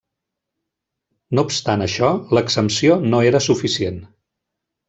No obstant això, l'exempció no era suficient.